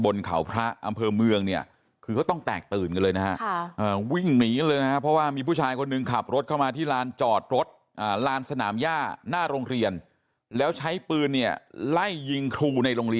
แตกตื่นแล้วค่ะนี่แจ้งตำรวจมาตรวจสอบกันนะฮะ